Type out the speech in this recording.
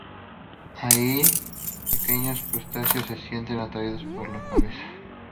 Allí, pequeños crustáceos se sienten atraídos por la cabeza.